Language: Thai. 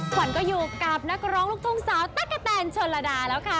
ฝันก็อยู่กับนักร้องลูกต้งเสาต้านเท่านชนระดาแล้วค่ะ